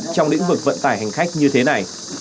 trong lĩnh vực vận tải hành khách như thế này